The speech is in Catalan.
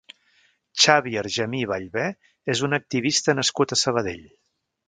Xavi Argemí i Ballbè és un activista nascut a Sabadell.